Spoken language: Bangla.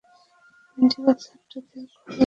মেডিকেলের ছাত্রদের কারোর দম ফেলার সময় নেই।